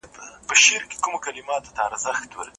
د وطن د خیالونو ټالونو وزنګولم